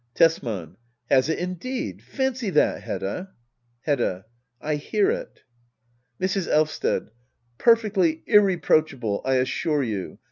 Tesman. Has it indeed ? Fancy that, Hedda ! Hedda. I hear it. Mrs. Elvsted. Perfectly irreproachable^ I assure you!